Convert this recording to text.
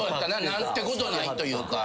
何てことないというか。